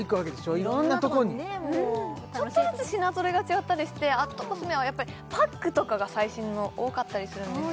いろんなとこにちょっとずつ品揃えが違ったりして＠ｃｏｓｍｅはパックとかが最新の多かったりするんですよ